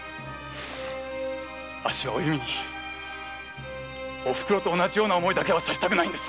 あっしはお弓にお袋と同じような思いだけはさせたくないんです。